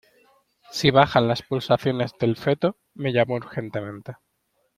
si bajan las pulsaciones del feto, me llama urgentemente.